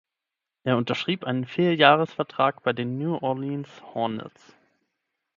Er unterschrieb einen Vierjahresvertrag bei den New Orleans Hornets.